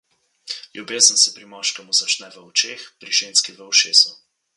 Ljubezen se pri moškemu začne v očeh, pri ženski v ušesu.